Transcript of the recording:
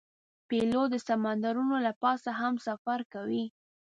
پیلوټ د سمندرونو له پاسه هم سفر کوي.